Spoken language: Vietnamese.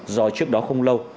do trước đó không lâu